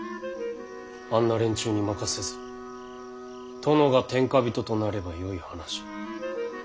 あんな連中に任せず殿が天下人となればよい話。